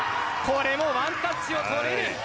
これもワンタッチを取る。